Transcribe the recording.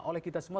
oleh kita semua